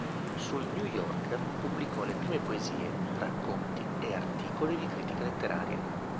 Sul New Yorker pubblicò le prime poesie, racconti e articoli di critica letteraria.